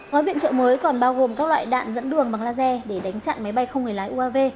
gói viện trợ mới còn bao gồm các loại đạn dẫn đường bằng laser để đánh chặn máy bay không người lái uav